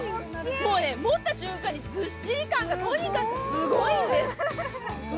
もうね、持った瞬間にずっしり感がとにかくすごいんです。